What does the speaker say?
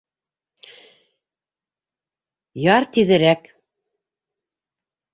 Яр тиҙерәк.